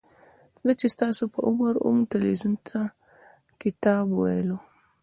زه چې ستاسو په عمر وم تلویزیون ته کتاب ویلو.